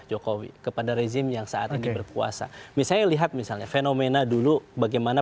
jokowi kepada rezim yang saat ini berkuasa misalnya lihat misalnya fenomena dulu bagaimana